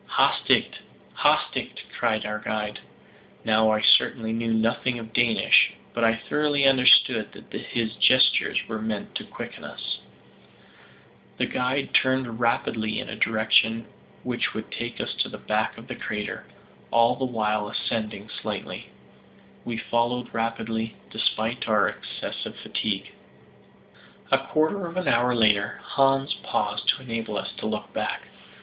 "Hastigt, hastigt!" cried our guide. Now I certainly knew nothing of Danish, but I thoroughly understood that his gestures were meant to quicken us. The guide turned rapidly in a direction which would take us to the back of the crater, all the while ascending slightly. We followed rapidly, despite our excessive fatigue. A quarter of an hour later Hans paused to enable us to look back.